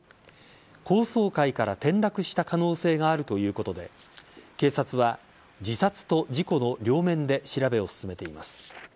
高層階から転落した可能性があるということで警察は自殺と事故の両面で調べを進めています。